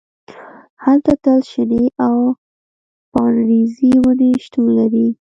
هلته تل شنې او پاڼریزې ونې شتون لري